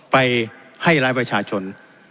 ไปให้ร้ายประชาชน